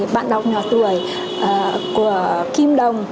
bạn đọc nhỏ tuổi của kim đồng